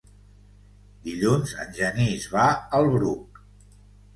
Dilluns en Genís va al Bruc.